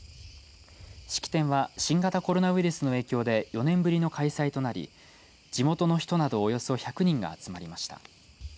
式典は新型コロナウイルスの影響で４年ぶりの開催となり地元の人などおよそ１００人が集まりました。